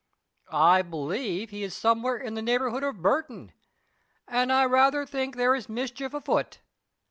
"I believe he is somewhere in the neighborhood of Burton, and I rather think there is mischief afoot.